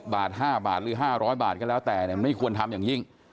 บาท๕บาทหรือ๕๐๐บาทก็แล้วแต่ไม่ควรทำอย่างยิ่ง